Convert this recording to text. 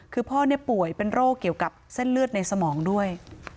คือพ่อป่วยเป็นโรคเกี่ยวกับเส้นเลือดในสมองด้วย